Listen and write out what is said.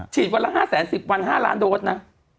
วันละ๕๑๐วัน๕ล้านโดสนะ